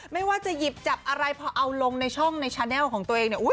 ไม่ว่าจะหยิบจับอะไรพอเอาลงในช่องในชาแนลของตัวเองเนี่ย